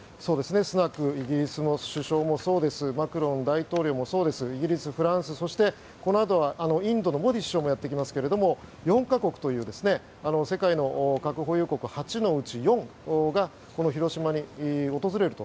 イギリスのスナク首相もそうですがマクロン大統領もそうですイギリス、フランスそして、このあとはインドのモディ首相もやってきますけども４か国という世界の核保有国８のうち４が広島を訪れると。